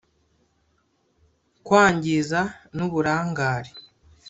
kwangiza n’uburangare